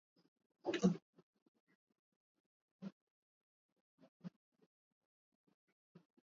The northern part is in the Adirondack Park.